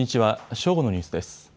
正午のニュースです。